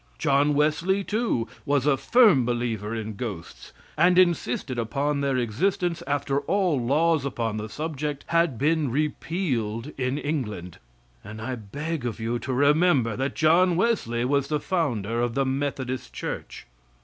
John Wesley, too, was a firm believer in ghosts, and insisted upon their existence after all laws upon the subject had been repealed in England, and I beg of you to remember that John Wesley was the founder of the Methodist Church.